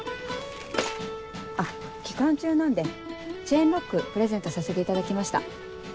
あっ期間中なんでチェーンロックプレゼントさせていただきました。